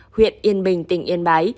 huyện yên bình tỉnh yên bái